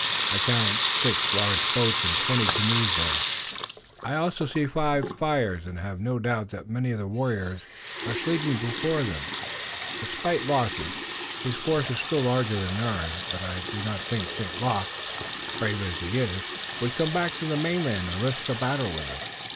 I count six large boats and twenty canoes there. I also see five fires, and I have no doubt that many of the warriors are sleeping before them. Despite losses, his force is still larger than ours, but I do not think St. Luc, brave as he is, would come back to the mainland and risk a battle with us."